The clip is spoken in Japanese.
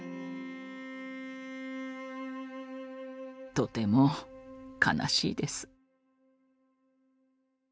とても悲しいです。